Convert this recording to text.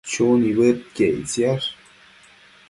Chu nibëdquiec ictisash